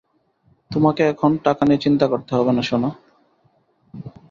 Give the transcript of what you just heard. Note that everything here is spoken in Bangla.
তোমাকে এখন টাকা নিয়ে চিন্তা করতে হবে না সোনা।